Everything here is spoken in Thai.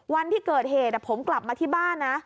วันที่เกิดเหตุผมกลับมาที่บ้านนะ